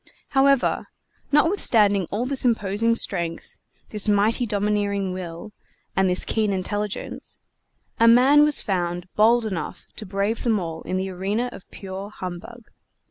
However, notwithstanding all this imposing strength, this mighty domineering will, and this keen intelligence, a man was found bold enough to brave them all in the arena of pure humbug.